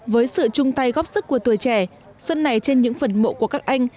với sự chung tay góp sức của tuổi trẻ xuân này trên những phần mộ của các anh